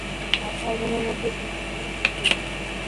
সাত ভাই বোনের মধ্যে তিনি ছিলেন তিনি ছিলেন তৃতীয়।